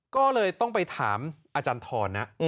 ก็เลยต้องไปถามอาจารย์ทรนะ